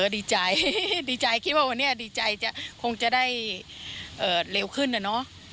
ดีใจดีใจคิดว่าวันนี้ดีใจจะคงได้เร็วขึ้น